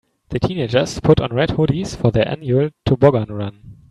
The teenagers put on red hoodies for their annual toboggan run.